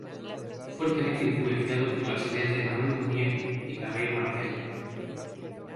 Fuertemente influenciado por las ideas de Emmanuel Mounier y Gabriel Marcel.